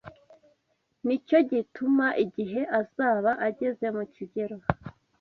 Ni cyo gituma igihe azaba ageze mu kigero